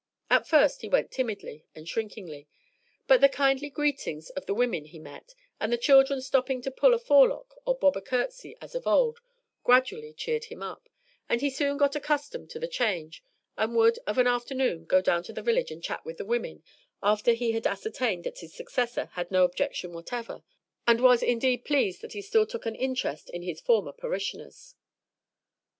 At first he went timidly and shrinkingly, but the kindly greetings of the women he met, and the children stopping to pull a forelock or bob a courtesy as of old, gradually cheered him up, and he soon got accustomed to the change, and would of an afternoon go down to the village and chat with the women, after he had ascertained that his successor had no objection whatever, and was, indeed, pleased that he still took an interest in his former parishioners.